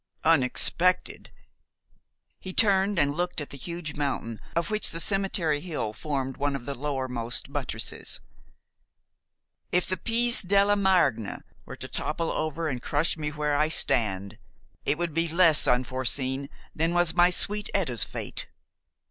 "Unexpected!" He turned and looked at the huge mountain of which the cemetery hill formed one of the lowermost buttresses. "If the Piz della Margna were to topple over and crush me where I stand, it would be less unforeseen than was my sweet Etta's fate.